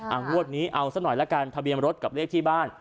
เอางวดนี้เอาซะหน่อยละกันทะเบียนรถกับเลขที่บ้าน